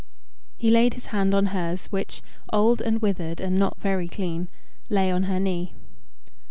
He laid his hand on hers, which, old and withered and not very clean, lay on her knee.